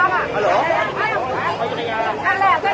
ก็ไม่มีเวลาให้กลับมาเท่าไหร่